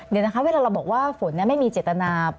เดี๋ยวนะคะเวลาเราบอกว่าฝนไม่มีเจตนา